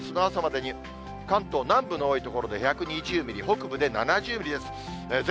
雨量が、あすの朝までに、関東南部の多い所で１２０ミリ、北部で７０ミリです。